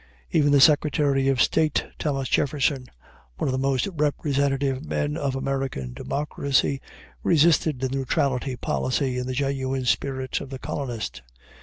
Even the Secretary of State, Thomas Jefferson, one of the most representative men of American democracy, resisted the neutrality policy in the genuine spirit of the colonist.